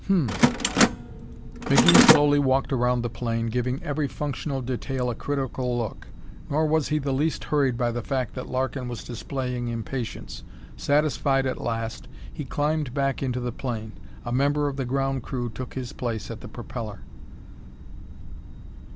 "Hum." McGee slowly walked around the plane, giving every functional detail a critical look, nor was he the least hurried by the fact that Larkin was displaying impatience. Satisfied at last, he climbed back into the plane. A member of the ground crew took his place at the propeller.